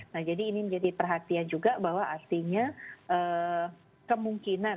nah jadi ini menjadi perhatian juga bahwa artinya kemungkinan